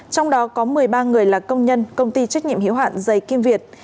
trong đó có một mươi ba người là công nhân công ty trách nhiệm hiệu hạn giấy kim việt